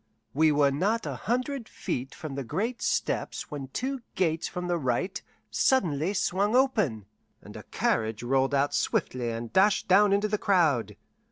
We were not a hundred feet from the great steps when two gates at the right suddenly swung open, and a carriage rolled out swiftly and dashed down into the crowd.